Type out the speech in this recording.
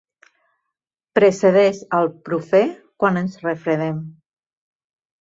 Precedeix el “profè” quan ens refredem.